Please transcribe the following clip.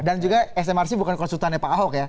dan juga smrc bukan konsultannya pak ahok ya